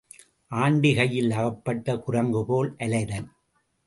Aunty கையில் அகப்பட்ட குரங்குபோல் அலைதல்.